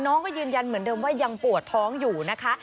น้องก็ยืนยันเหมือนเดิมว่ายังปวดท้องอยู่นะคะ